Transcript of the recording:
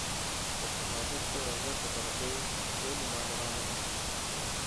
د شهادت دغه غټه درجه يې ولې ما له رانه کړه.